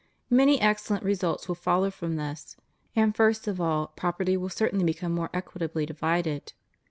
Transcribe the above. Many excellent results will follow from this; and first of all, property will certainly become more equitably divided.